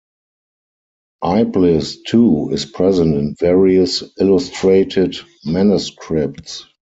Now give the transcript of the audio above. Iblis too is present in various illustrated manuscripts.